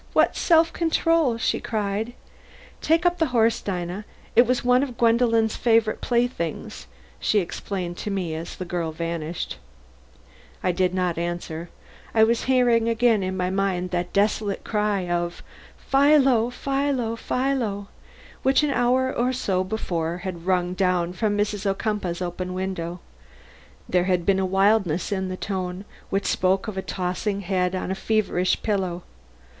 What self control!" she cried. "Take up the horse, Dinah. It was one of Gwendolen's favorite playthings," she explained to me as the girl vanished. I did not answer. I was hearing again in my mind that desolate cry of "Philo! Philo! Philo!" which an hour or so before had rung down to me from Mrs. Ocumpaugh's open window. There had been a wildness in the tone, which spoke of a tossing head on a feverish pillow.